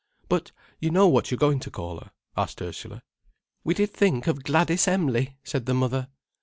"But you know what you're going to call her?" asked Ursula. "We did think of Gladys Em'ly," said the mother.